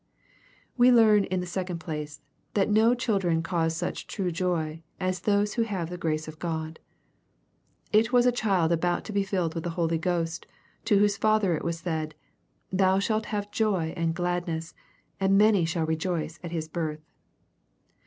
We learn, in the seccond place, that no children cause such true Joy, as those who have the grace of God. It was a child about to be filled with the Holy Ghost, to whose father it was said, " Thou shalt have joy and gladness ; and many shall rejoice at his birth."